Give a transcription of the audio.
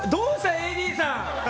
ＡＤさん！